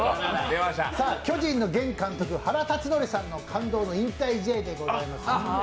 巨人の現監督・原辰徳さんの現役引退試合でございます。